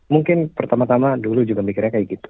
mungkin pertama tama dulu juga mikirnya kayak gitu